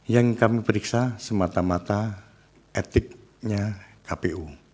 yang kami periksa semata mata etiknya kpu